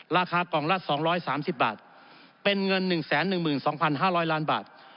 ราคากล่องละ๒๓๐บาทเป็นเงิน๑๑๒๕๐๐ล้านบาท